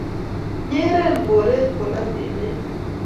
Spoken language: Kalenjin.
nyeren kore bolatet ne ya